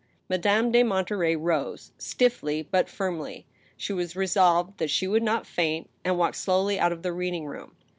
Madame de Monterey rose, stiffly but firmly. She was resolved that she would not faint, and walked slowly out of the reading room.